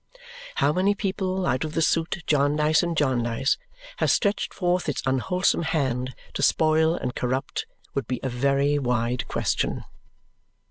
How many people out of the suit Jarndyce and Jarndyce has stretched forth its unwholesome hand to spoil and corrupt would be a very wide question.